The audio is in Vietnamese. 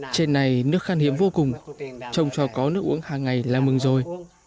trên này nước khăn hiếm vô cùng trông cho có nước uống hàng ngày là mừng rồi